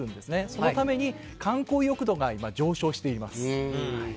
そのために観光意欲度が今、上昇しています。